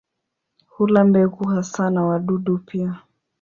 Hula mbegu hasa na wadudu pia.